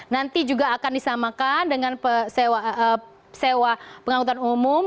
nanti juga akan disamakan dengan sewa pengangkutan umum